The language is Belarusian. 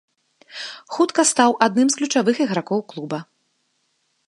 Хутка стаў адным з ключавых ігракоў клуба.